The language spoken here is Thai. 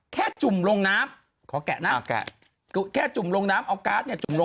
เขาบอกว่าแค่จุ่มลงน้ำ